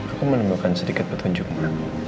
aku menemukan sedikit petunjukmu